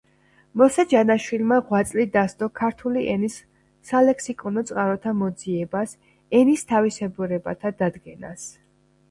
მოსე ჯანაშვილმა ღვაწლი დასდო ქართული ენის სალექსიკონო წყაროთა მოძიებას, ენის თავისებურებათა დადგენას.